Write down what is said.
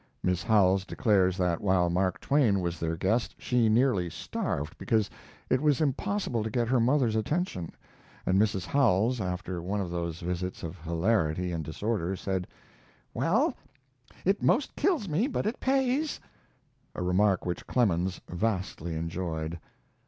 Miss Howells declares that while Mark Twain was their guest she nearly starved because it was impossible to get her mother's attention; and Mrs. Howells, after one of those visits of hilarity and disorder, said: "Well, it 'most kills me, but it pays," a remark which Clemens vastly enjoyed.